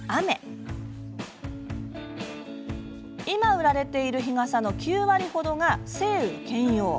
今、売られている日傘の９割ほどが晴雨兼用。